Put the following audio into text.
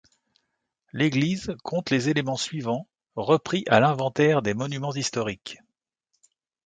L'église compte les éléments suivants repris à l'inventaire des monuments historiques.